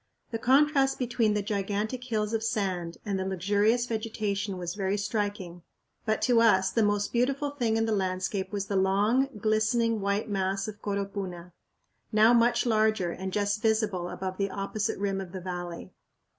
The contrast between the gigantic hills of sand and the luxurious vegetation was very striking; but to us the most beautiful thing in the landscape was the long, glistening, white mass of Coropuna, now much larger and just visible above the opposite rim of the valley.